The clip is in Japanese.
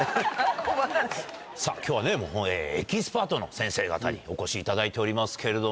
今日はねエキスパートの先生方にお越しいただいておりますけども。